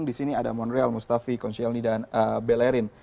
di sini ada monreal mustafi konselni dan bellerin